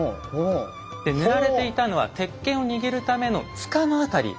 で塗られていたのは鉄剣を握るための柄の辺り。